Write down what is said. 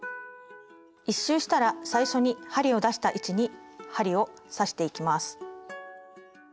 １周したら最初に針を出した位置に針を刺していきます。